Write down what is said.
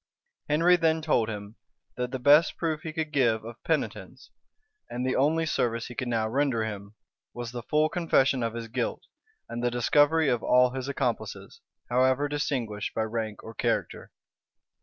Henry then told him, that the best proof he could give of penitence, and the only service he could now render him, was the full confession of his guilt, and the discovery of all his accomplices, however distinguished by rank or character.